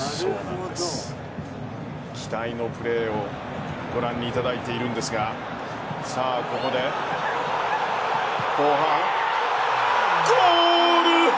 期待のプレーをご覧いただいているんですがここで後半ゴール！